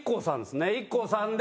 ＩＫＫＯさんで。